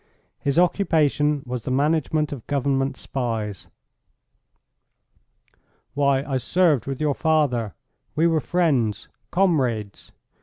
His occupation was the management of Government spies. "Why, I served with your father. We were friends comrades.